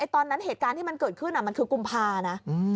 ตอนนั้นเหตุการณ์ที่มันเกิดขึ้นมันคือกุมภานะ